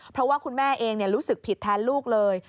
เพราะว่าคุณแม่เองรู้สึกผิดแทนลูกเลย